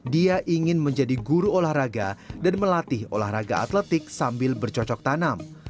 dia ingin menjadi guru olahraga dan melatih olahraga atletik sambil bercocok tanam